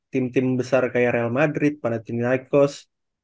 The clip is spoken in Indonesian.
tim tim besar kayak real madrid panathinaikos